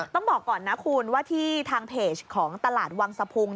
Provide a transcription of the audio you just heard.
ต้องบอกก่อนนะคุณว่าที่ทางเพจของตลาดวังสะพุง